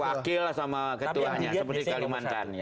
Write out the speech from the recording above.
wakil sama ketuanya seperti kalimantan